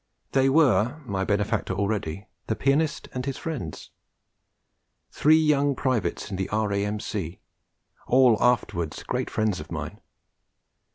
They were my benefactor already the pianist, and his friends; three young privates in the R.A.M.C., all afterwards great friends of mine.